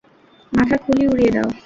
মাথার খুলি উড়িয়ে দাও!